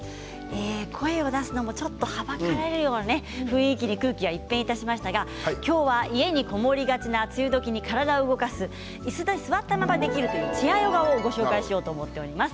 声を出すのもちょっとはばかれるような雰囲気に空気が一変しましたが今日は家に籠もりがちな梅雨時に体を動かすいすに座ったままできるチェアヨガをご紹介しようと思っております。